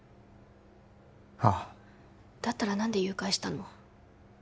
ああだったら何で誘拐したの？